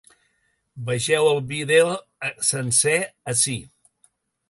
Vegeu el vídeo sencer ací.